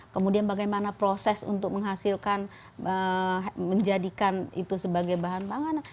kemudian bagaimana proses untuk menghasilkan menjadikan itu sebagai bahan pangan